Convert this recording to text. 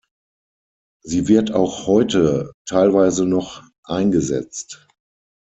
Sie wird auch heute teilweise noch eingesetzt.